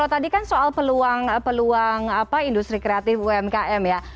tadi kan soal peluang industri kreatif umkm ya